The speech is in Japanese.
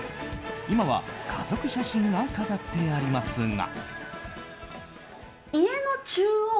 今は家族写真が飾ってありますが。